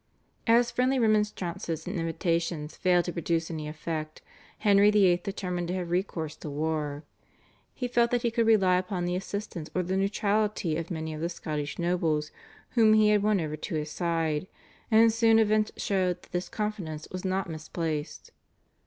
As friendly remonstrances and invitations failed to produce any effect, Henry VIII. determined to have recourse to war. He felt that he could rely upon the assistance or the neutrality of many of the Scottish nobles whom he had won over to his side, and soon events showed that this confidence was not misplaced.